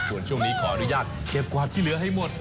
ส่วนช่วงนี้ขออนุญาตเก็บกวาดที่เหลือให้หมด